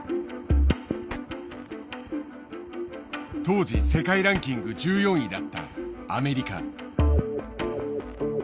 当時世界ランキング１４位だったアメリカ。